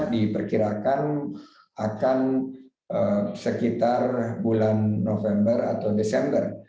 diperkirakan akan sekitar bulan november atau desember